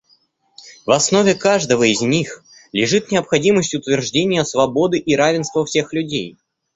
В основе каждого из них лежит необходимость утверждения свободы и равенства всех людей.